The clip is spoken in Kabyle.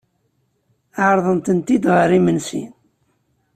Ɛerḍen-tent ɣer imensi.